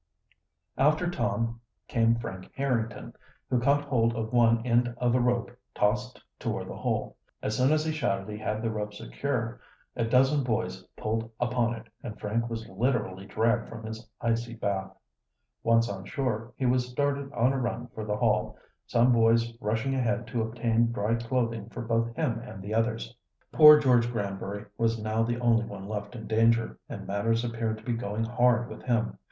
After Tom came Frank Harrington, who caught hold of one end of a rope tossed toward the hole. As soon as he shouted he had the rope secure, a dozen boys pulled upon it, and Frank was literally dragged from his icy bath. Once on shore he was started on a run for the Hall, some boys rushing ahead to obtain dry clothing for both him and the others. Poor George Granbury was now the only one left in danger, and matters appeared to be going hard with him.